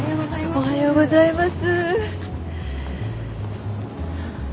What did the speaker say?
おはようございます。